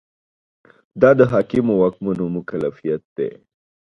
دا د حاکمو واکمنو مکلفیت دی.